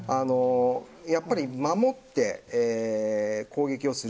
やっぱり守って、攻撃をする。